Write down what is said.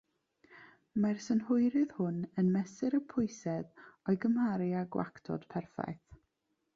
Mae'r synhwyrydd hwn yn mesur y pwysedd o'i gymharu â gwactod perffaith.